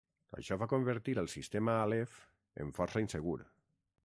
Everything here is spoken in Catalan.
Això va convertir el sistema Aleph en força insegur.